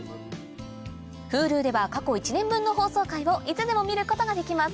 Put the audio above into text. Ｈｕｌｕでは過去１年分の放送回をいつでも見ることができます